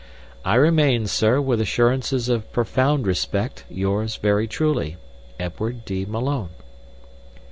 "I remain, Sir, with assurances of profound respect, yours very truly, EDWARD D. MALONE."